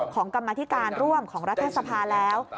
ของกรรมธิการร่วมของรัฐท่านสภาแล้ว